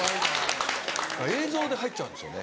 映像で入っちゃうんですよね。